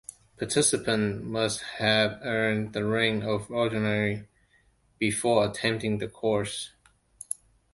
Participants must have earned the rank of Ordinary before attending the course.